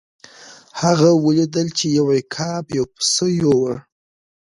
هغه ولیدل چې یو عقاب یو پسه یووړ.